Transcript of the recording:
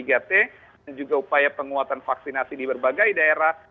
dan juga upaya penguatan vaksinasi di berbagai daerah